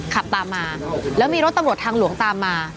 ขับตามมาแล้วมีรถตำรวจทางหลวงตามมา